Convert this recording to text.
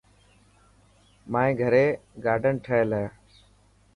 مائي گهري گارڊن ٺهيل هي.